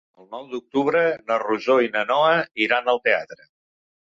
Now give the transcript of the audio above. El nou d'octubre na Rosó i na Noa iran al teatre.